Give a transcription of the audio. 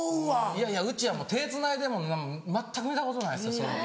いやいやうちは手つないでるのも全く見たことないですよ。